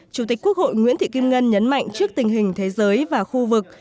chủ tịch quốc hội nguyễn thị kim ngân nhấn mạnh trước tình hình thế giới và khu vực